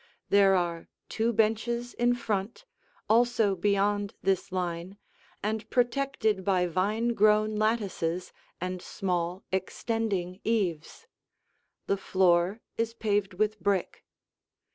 There are two benches in front, also beyond this line and protected by vine grown lattices and small, extending eaves. The floor is paved with brick.